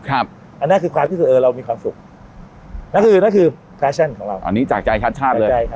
อันนั้นคือความที่สุดเออเรามีความสุขอันนี้จากใจชาติชาติ